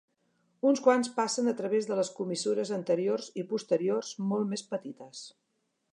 Uns quants passen a través de les comissures anteriors i posteriors, molt més petites.